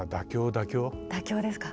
妥協ですか？